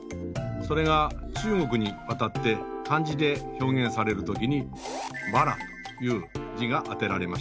それが中国に渡って漢字で表現される時に「魔羅」という字が当てられました。